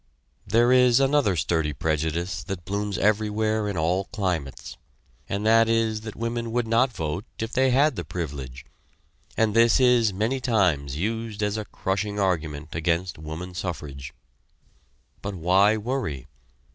There is another sturdy prejudice that blooms everywhere in all climates, and that is that women would not vote if they had the privilege; and this is many times used as a crushing argument against woman suffrage. But why worry?